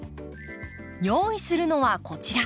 用意するのはこちら。